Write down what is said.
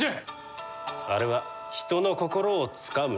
あれは人の心をつかむ天才じゃ。